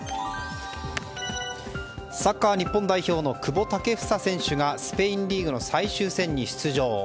サッカー日本代表の久保建英選手がスペインリーグの最終戦に出場。